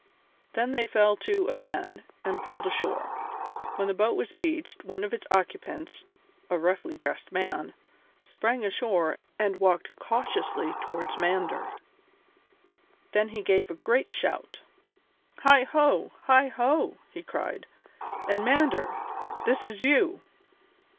Then they fell to again and pulled ashore. When the boat was beached one of its occupants, a roughly dressed man, sprang ashore and walked cautiously towards Mander; then he gave a great shout. "Heigho, heigho!" he cried, "and Mander, this is you!"